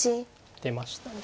出ました。